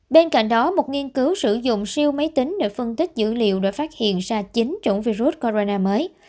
bên cạnh đó một nghiên cứu sử dụng siêu máy tính để phân tích dữ liệu để phát hiện ra chín chủng virus corona mới